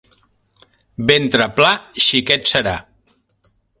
Ventre pla, xiquet serà.